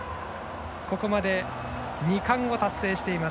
ここまで２冠を達成しています